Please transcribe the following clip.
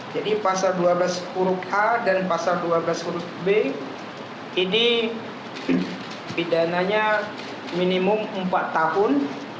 jadi pasang dua belas huruf a dan pasang dua belas huruf b ini pidananya minimum empat tahun